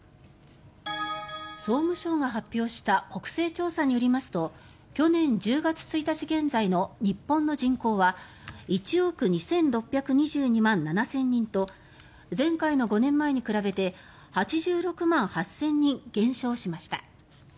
総務省が発表した国勢調査によりますと去年１０月１日現在の日本の人口は１億２６２２万７０００人前回の５年前に比べて８６万８００人減少しました。